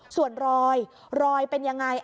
ส่วนรอยรอยเป็นยังไง